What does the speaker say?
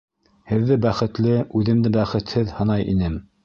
Һеҙҙе бәхетле, үҙемде бәхетһеҙ һанай инем.